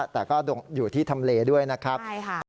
แต่ก็อยู่ที่ทำเลด้วยนะครับ